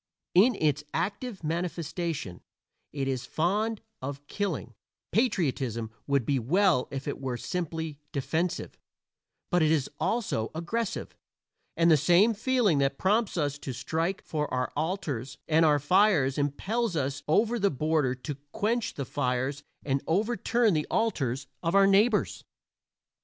In its active manifestation it is fond of killing patriotism would be well if it were simply defensive; but it is also aggressive, and the same feeling that prompts us to strike for our altars and our fires impels us over the border to quench the fires and overturn the altars of our neighbors.